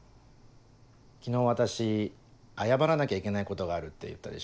昨日私謝らなきゃいけないことがあるって言ったでしょ。